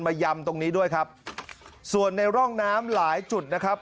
ยำตรงนี้ด้วยครับส่วนในร่องน้ำหลายจุดนะครับ